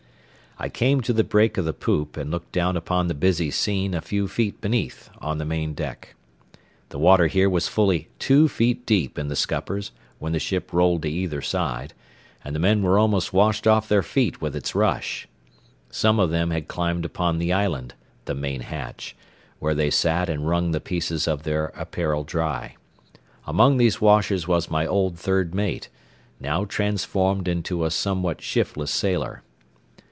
I came to the break of the poop and looked down upon the busy scene a few feet beneath on the main deck. The water here was fully two feet deep in the scuppers when the ship rolled to either side, and the men were almost washed off their feet with its rush. Some of them had climbed upon the island, the main hatch, where they sat and wrung the pieces of their apparel dry. Among these washers was my old third mate, now transformed into a somewhat shiftless sailor.